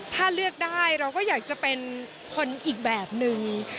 ถ้าเลือกได้เราก็อยากจะเป็นคนอีกแบบนึง